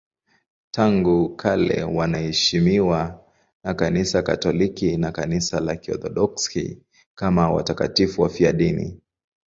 Tangu kale wanaheshimiwa na Kanisa Katoliki na Kanisa la Kiorthodoksi kama watakatifu wafiadini.